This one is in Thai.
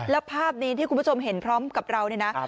แล้วภาพนี้ที่คุณผู้ชมเห็นพร้อมกับเราเนี่ยนะ